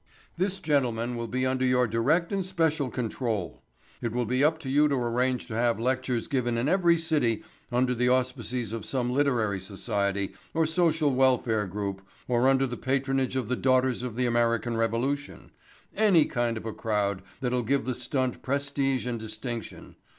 "This gentleman will be under your direct and special control. It will be up to you to arrange to have lectures given in every city under the auspices of some literary society or social welfare group or under the patronage of the Daughters of the American Revolution—any kind of a crowd that'll give the stunt prestige and distinction.